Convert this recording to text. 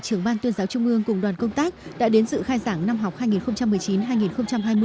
trường ban tuyên giáo trung mương cùng đoàn công tác đã đến sự khai giảng năm học hai nghìn một mươi chín hai nghìn hai mươi